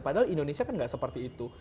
padahal indonesia kan nggak seperti itu